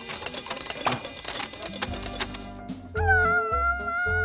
ももも！